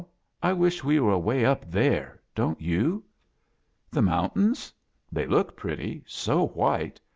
I wish we were away off up there. Don't you?" "The mountains? They look pretty — .'N so white!